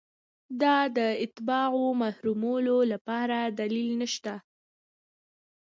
دا د اتباعو محرومولو لپاره دلیل نشته.